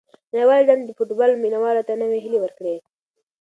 نړیوال جام به د فوټبال مینه والو ته نوې هیلې ورکړي.